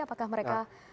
apakah mereka bertemu